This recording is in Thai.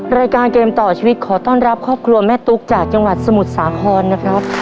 รายการเกมต่อชีวิตขอต้อนรับครอบครัวแม่ตุ๊กจากจังหวัดสมุทรสาครนะครับ